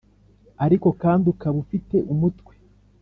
ariko kandi ukaba ufite umutwe.